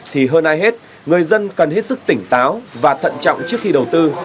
thì hơn ai hết người dân cần hết sức tỉnh táo và thận trọng trước khi đầu tư